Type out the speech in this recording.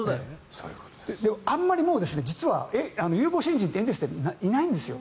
あんまりもう実は有望新人ってエンゼルスっていないんですよ。